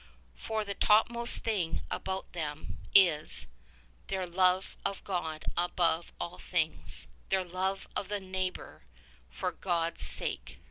For the topmost thing about them is — ^their love of God above all things, their love of the neighbour for God's sake.